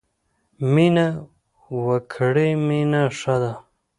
مینه وکړی مینه ښه ده.